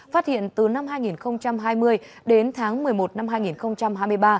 phát hiện từ năm hai nghìn hai mươi đến tháng một mươi một năm hai nghìn hai mươi ba